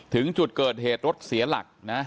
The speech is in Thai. ถึงจุดเกิดเหตุรถเสียหลักนะ